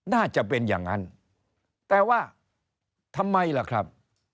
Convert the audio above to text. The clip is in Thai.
น่าจะเป็นอย่างนั้นแต่ว่าทำไมล่ะครับ